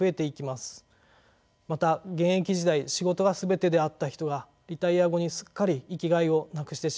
また現役時代仕事が全てであった人がリタイア後にすっかり生きがいを失くしてしまい孤独になってしまう。